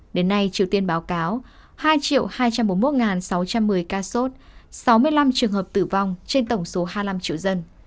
đến nay triều tiên báo cáo hai hai trăm bốn mươi một sáu trăm một mươi ca sốt sáu mươi năm trường hợp tử vong trên tổng số hai mươi năm triệu dân